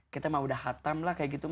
kita mah udah hatam lah kayak gitu